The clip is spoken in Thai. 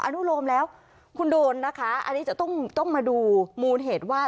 อนุโลมแล้วคุณโดนนะคะอันนี้จะต้องมาดูมูลเหตุว่า